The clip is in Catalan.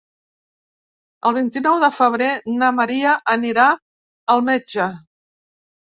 El vint-i-nou de febrer na Maria anirà al metge.